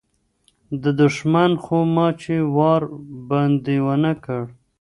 و دښمن خو ما چي وار باندي و نه کړ